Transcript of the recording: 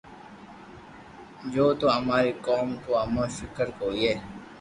جو تو اماري قوم نو امون فڪر ھوئي